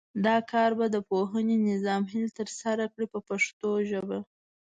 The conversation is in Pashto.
دا کار به د پوهنې نظام هیلې ترسره کړي په پښتو ژبه.